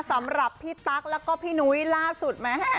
สำหรับพี่ตั๊กแล้วก็พี่นุ้ยล่าสุดแม่